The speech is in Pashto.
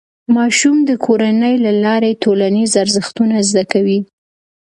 ماشوم د کورنۍ له لارې ټولنیز ارزښتونه زده کوي.